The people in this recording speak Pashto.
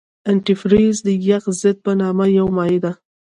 انتي فریز د یخ ضد په نامه یو مایع ده.